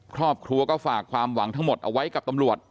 ครอบครัวก็ฝากความหวังทั้งหมดเอาไว้กับตำรวจ